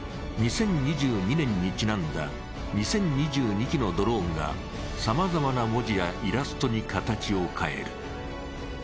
２０２２年にちなんだ２０２２機のドローンがさまざまな文字やイラストに形を変える。